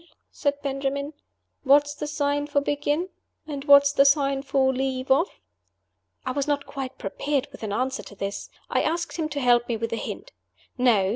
said Benjamin, "what's the sign for Begin? and what's the sign for Leave off?" I was not quite prepared with an answer to this. I asked him to help me with a hint. No!